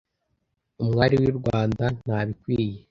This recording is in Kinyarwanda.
Umwari w’I Rwanda ntabikwiye